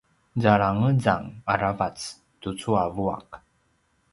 zalangezang aravac tucu a vuaq